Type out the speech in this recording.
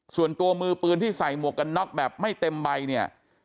ส่วนตัวมือปืนที่ใส่หมวกกันน็อกแบบไม่เต็มใบเนี่ย